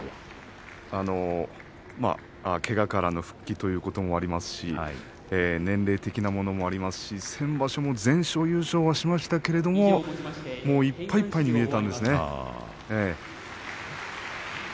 けがからの復帰ということもありますし年齢的なものもありますし先場所も全勝優勝しましたけれどもいっぱいいっぱいに見えたんですね。